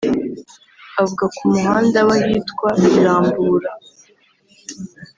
Avuga ku mu handa w’ahitwa i Rambura